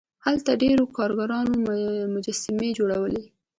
هلته ډیرو کارګرانو مجسمې جوړولې.